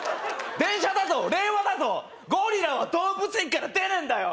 電車だぞ令和だぞゴリラは動物園から出ねえんだよ